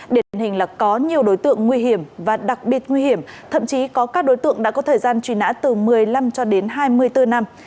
điển hình là có nhiều đối tượng nguy hiểm và đặc biệt nguy hiểm thậm chí có các đối tượng đã có thời gian truy nã từ một mươi năm cho đến hai mươi bốn năm